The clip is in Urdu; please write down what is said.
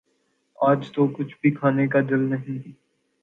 آج تو کچھ بھی کھانے کو دل نہیں